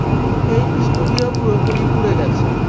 এই স্টুডিও পুরোপুরি পুড়ে গেছে।